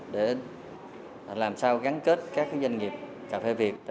để làm sao gắn kết các doanh nghiệp cà phê việt